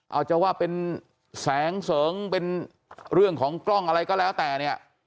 เอาจะว่าเป็นแสงเสริงเป็นเรื่องของกล้องอะไรก็แล้วแต่เนี่ย